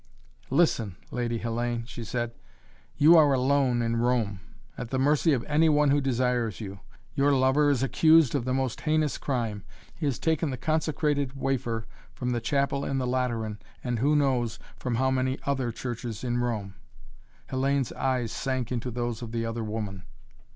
"Listen, Lady Hellayne," she said. "You are alone in Rome! At the mercy of any one who desires you! Your lover is accused of the most heinous crime. He has taken the consecrated wafer from the chapel in the Lateran and, who knows, from how many other churches in Rome." Hellayne's eyes sank into those of the other woman.